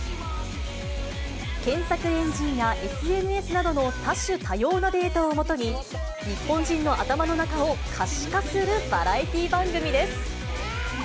検索エンジンやＳＮＳなどの多種多様なデータを基に、日本人の頭の中を可視化するバラエティー番組です。